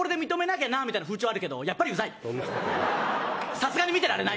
さすがに見てられない！